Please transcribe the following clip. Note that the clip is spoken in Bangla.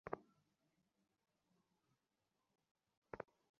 ভালো যে এটা আগে করিনি।